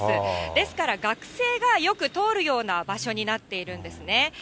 ですから学生がよく通るような場所になっているんですね。